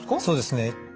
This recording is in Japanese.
そうですね。